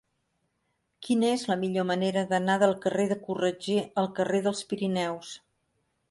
Quina és la millor manera d'anar del carrer de Corretger al carrer dels Pirineus?